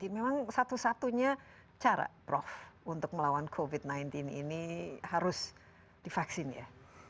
memang satu satunya cara prof untuk melawan covid sembilan belas ini harus divaksin ya